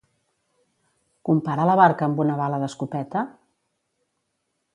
Compara la barca amb una bala d'escopeta?